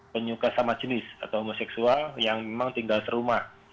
penyuka sama jenis atau homoseksual yang memang tinggal serumah